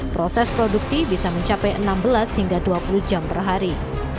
proses produksi bisa mencapai enam belas hingga dua puluh jam per hari